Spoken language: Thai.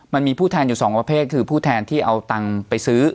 มันมีผู้แทนอยู่สองประเภทคือผู้แทนที่เอาตังค์ไปซื้อ